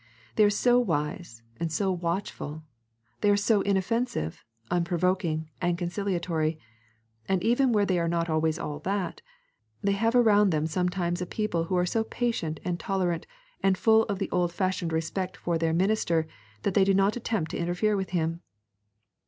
They are so wise and so watchful; they are so inoffensive, unprovoking, and conciliatory; and even where they are not always all that, they have around them sometimes a people who are so patient and tolerant and full of the old fashioned respect for their minister that they do not attempt to interfere with him.